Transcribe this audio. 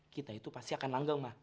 kita itu pasti akan langgeng ma